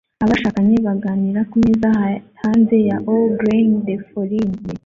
Abashakanye baganira kumeza hanze ya Au Grain de Folie